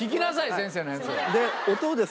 先生のやつ。